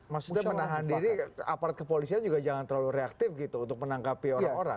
maksudnya menahan diri aparat kepolisian juga jangan terlalu reaktif gitu untuk menangkapi orang orang